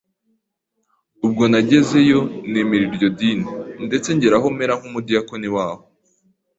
Ubwo nagezeyo nemera iryo dini ndetse ngera aho mera nk’umu diyakoni waho,